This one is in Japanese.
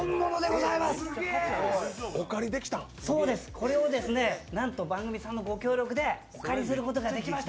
これをなんと番組さんのご協力でお借りすることができました！